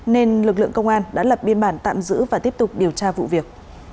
nên lực lượng công an đã lập biên bản tạm giữ và tiếp tục điều tra vụ việc